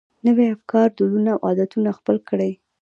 نوي افکار، دودونه او عادتونه خپل کړي.